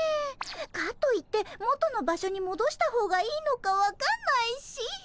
かといって元の場所にもどした方がいいのか分かんないし。